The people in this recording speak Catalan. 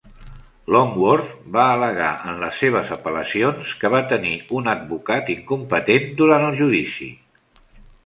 Longworth va al·legar en les seves apel·lacions que va tenir un advocat incompetent durant el judici.